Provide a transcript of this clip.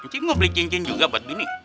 cing mau beli cincin juga buat gini